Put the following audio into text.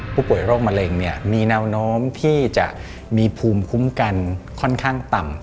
ผู้ป่วยโรคมะเร็งเนี่ยมีแนวโน้มที่จะมีภูมิคุ้มกันค่อนข้างต่ำ